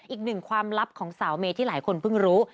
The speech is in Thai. อีกหนึ่งความลับของสาวเมย์ที่หลายคนเพิ่งรู้